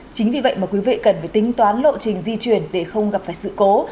chính vì vậy mà quý vị cần phải tính toán lộ trình di chuyển để không gặp phải sự cố